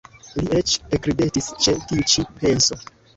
Li eĉ ekridetis ĉe tiu ĉi penso.